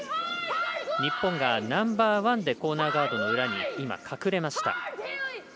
日本がナンバーワンでコーナーガードの裏に隠れました。